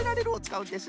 うん！